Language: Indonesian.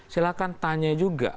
silahkan tanya juga